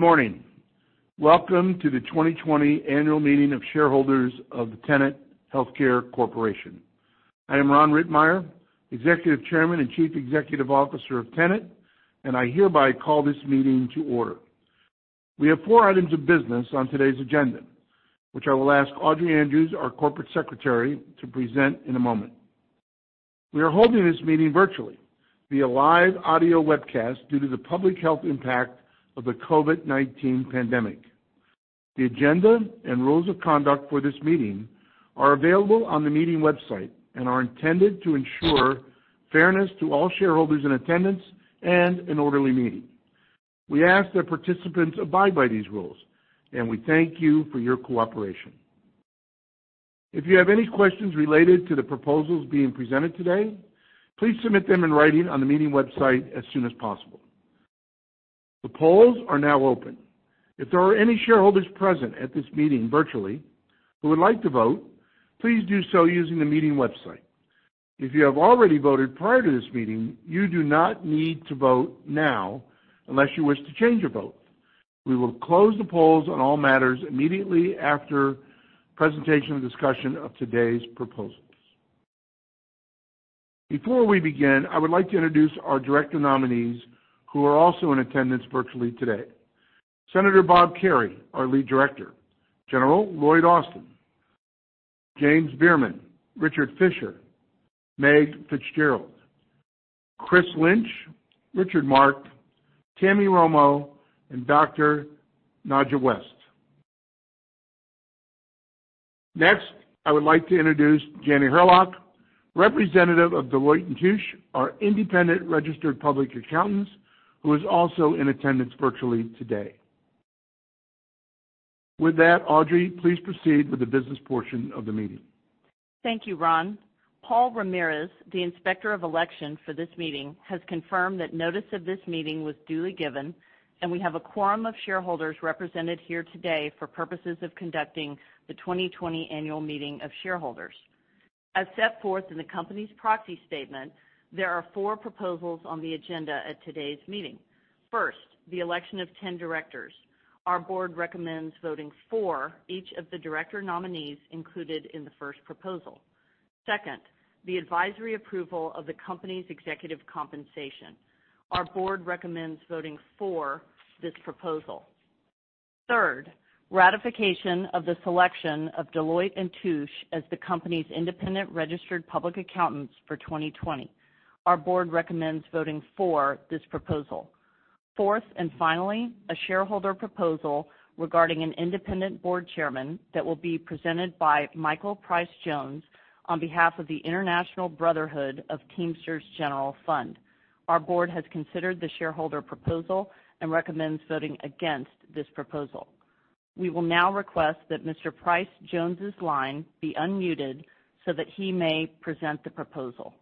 Good morning. Welcome to the 2020 annual meeting of shareholders of the Tenet Healthcare Corporation. I am Ron Rittenmeyer, Executive Chairman and Chief Executive Officer of Tenet, and I hereby call this meeting to order. We have four items of business on today's agenda, which I will ask Audrey Andrews, our Corporate Secretary, to present in a moment. We are holding this meeting virtually via live audio webcast due to the public health impact of the COVID-19 pandemic. The agenda and rules of conduct for this meeting are available on the meeting website and are intended to ensure fairness to all shareholders in attendance and an orderly meeting. We ask that participants abide by these rules, and we thank you for your cooperation. If you have any questions related to the proposals being presented today, please submit them in writing on the meeting website as soon as possible. The polls are now open. If there are any shareholders present at this meeting virtually who would like to vote, please do so using the meeting website. If you have already voted prior to this meeting, you do not need to vote now unless you wish to change your vote. We will close the polls on all matters immediately after presentation and discussion of today's proposals. Before we begin, I would like to introduce our director nominees who are also in attendance virtually today. Senator Bob Kerrey, our Lead Director, General Lloyd Austin, James Bierman, Richard Fisher, Meg FitzGerald, Chris Lynch, Richard Mark, Tammy Romo, and Dr. Nadja West. I would like to introduce Jenny Hurlock, representative of Deloitte & Touche, our independent registered public accountants, who is also in attendance virtually today. With that, Audrey, please proceed with the business portion of the meeting. Thank you, Ron. Paul Ramirez, the Inspector of Election for this meeting, has confirmed that notice of this meeting was duly given, and we have a quorum of shareholders represented here today for purposes of conducting the 2020 annual meeting of shareholders. As set forth in the company's proxy statement, there are four proposals on the agenda at today's meeting. First, the election of 10 directors. Our board recommends voting for each of the director nominees included in the first proposal. Second, the advisory approval of the company's executive compensation. Our board recommends voting for this proposal. Third, ratification of the selection of Deloitte & Touche as the company's independent registered public accountants for 2020. Our board recommends voting for this proposal. Fourth, finally, a shareholder proposal regarding an independent board chairman that will be presented by Michael Pryce-Jones on behalf of the International Brotherhood of Teamsters General Fund. Our board has considered the shareholder proposal and recommends voting against this proposal. We will now request that Mr. Pryce-Jones' line be unmuted so that he may present the proposal.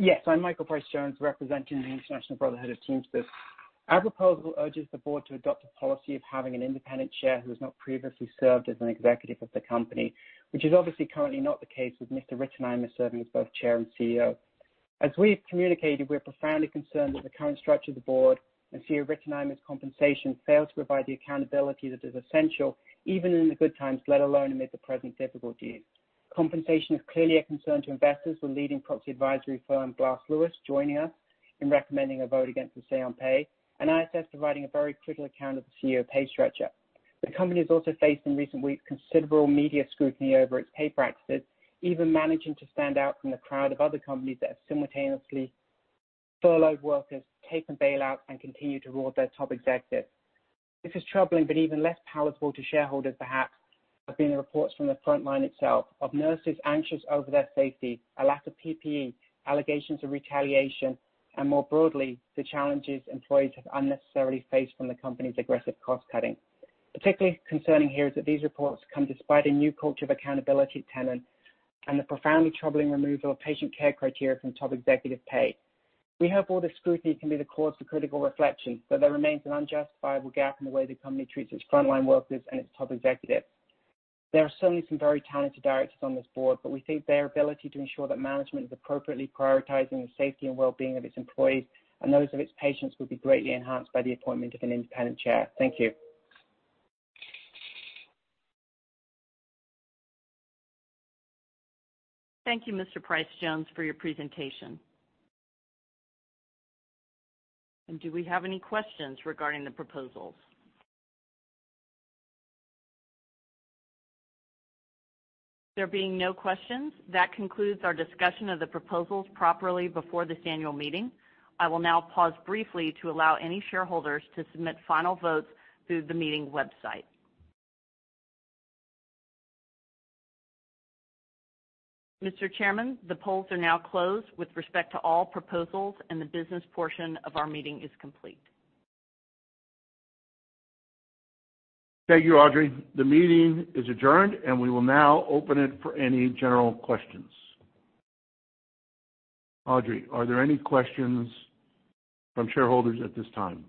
Yes. I'm Michael Pryce-Jones, representing the International Brotherhood of Teamsters. Our proposal urges the board to adopt a policy of having an independent chair who has not previously served as an executive of the company, which is obviously currently not the case with Mr. Rittenmeyer serving as both chair and Chief Executive Officer. As we've communicated, we're profoundly concerned that the current structure of the board and Chief Executive Officer Rittenmeyer's compensation fail to provide the accountability that is essential even in the good times, let alone amid the present difficulties. Compensation is clearly a concern to investors, with leading proxy advisory firm Glass Lewis joining us in recommending a vote against the say on pay, and ISS providing a very critical account of the Chief Executive Officer pay structure. The company has also faced, in recent weeks, considerable media scrutiny over its pay practices, even managing to stand out from the crowd of other companies that have simultaneously furloughed workers, taken bailouts, and continued to reward their top executives. This is troubling, but even less palatable to shareholders, perhaps, have been the reports from the front line itself of nurses anxious over their safety, a lack of PPE, allegations of retaliation, and more broadly, the challenges employees have unnecessarily faced from the company's aggressive cost-cutting. Particularly concerning here is that these reports come despite a new culture of accountability at Tenet and the profoundly troubling removal of patient care criteria from top executive pay. We hope all this scrutiny can be the cause for critical reflection, but there remains an unjustifiable gap in the way the company treats its frontline workers and its top executives. There are certainly some very talented directors on this board, but we think their ability to ensure that management is appropriately prioritizing the safety and wellbeing of its employees and those of its patients would be greatly enhanced by the appointment of an independent chair. Thank you. Thank you, Mr. Price-Jones, for your presentation. Do we have any questions regarding the proposals? There being no questions, that concludes our discussion of the proposals properly before this annual meeting. I will now pause briefly to allow any shareholders to submit final votes through the meeting website. Mr. Chairman, the polls are now closed with respect to all proposals, and the business portion of our meeting is complete. Thank you, Audrey. The meeting is adjourned, and we will now open it for any general questions. Audrey, are there any questions from shareholders at this time?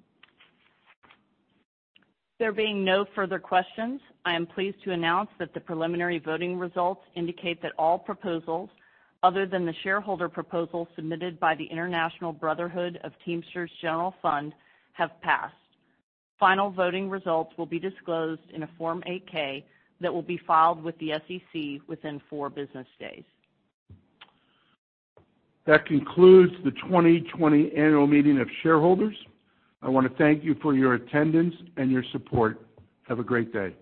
There being no further questions, I am pleased to announce that the preliminary voting results indicate that all proposals, other than the shareholder proposal submitted by the International Brotherhood of Teamsters General Fund, have passed. Final voting results will be disclosed in a Form 8-K that will be filed with the SEC within four business days. That concludes the 2020 annual meeting of shareholders. I want to thank you for your attendance and your support. Have a great day.